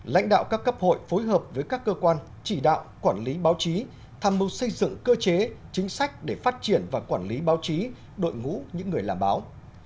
lãnh đạo các cấp hội phối hợp với các cơ quan chỉ đạo quản lý báo chí tham mưu xây dựng cơ chế chính sách để phát triển và quản lý báo chí đội ngũ những người làm báo